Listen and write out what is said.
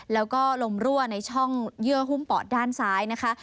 แล้วก็ลมรั่วในช่องเยื่อหุ้มปอดด้านซ้ายนะคะ